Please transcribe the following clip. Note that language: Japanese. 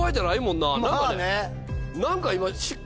何か今。